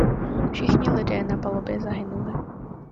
Všichni lidé na palubě zahynuli.